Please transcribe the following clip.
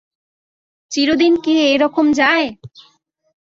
চিরদিন কি এরকম যায়?